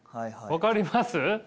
分かります？